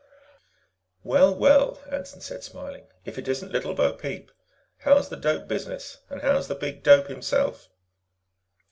"Well, well," Anson said, smiling, "if it isn't Little Bo Peep. How is the dope business? And how is the Big Dope Himself?"